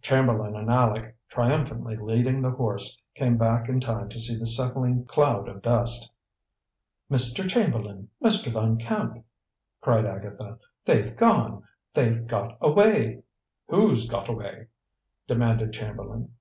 Chamberlain and Aleck, triumphantly leading the horse, came back in time to see the settling cloud of dust. "Mr. Chamberlain Mr. Van Camp!" cried Agatha. "They've gone! They've got away!" "Who's got away?" demanded Chamberlain.